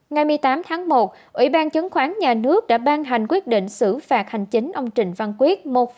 ngày một mươi tám tháng một ủy ban chứng khoán nhà nước đã ban hành quyết định xử phạt hành chính ông trịnh văn quyết